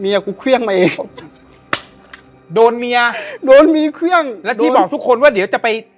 กูเครื่องมาเองโดนเมียโดนมีเครื่องแล้วที่บอกทุกคนว่าเดี๋ยวจะไป